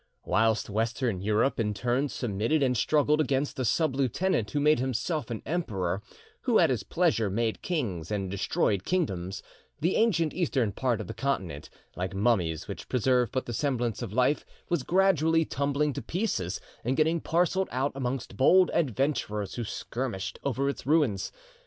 Whilst Western Europe in turn submitted and struggled against a sub lieutenant who made himself an emperor, who at his pleasure made kings and destroyed kingdoms, the ancient eastern part of the Continent; like mummies which preserve but the semblance of life, was gradually tumbling to pieces, and getting parcelled out amongst bold adventurers who skirmished over its ruins.